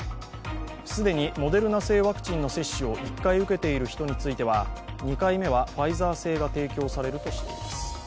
既にモデルナ製ワクチンの接種を１回受けている人については２回目はファイザー製が提供されるとしています。